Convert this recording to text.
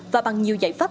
và bằng nhiều giải pháp